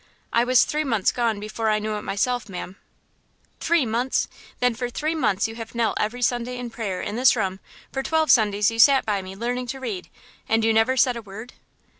"I was three months gone before I knew it myself, ma'am." "Three months! Then for three months you have knelt every Sunday in prayer in this room, for twelve Sundays you sat by me learning to read, and you never said a word?"